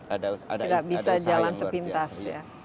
tidak bisa jalan sepintas